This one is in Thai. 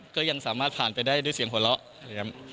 ก็ยังสามารถผ่านไปได้ด้วยเสียงหัวเราะ